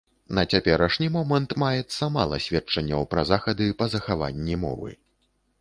На цяперашні момант маецца мала сведчанняў пра захады па захаванні мовы.